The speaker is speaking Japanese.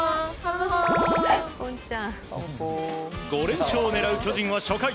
５連勝を狙う巨人は初回。